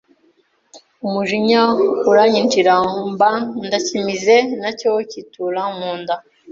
umujinya uranyinjira mba ndacyimize nacyo cyitura mu nda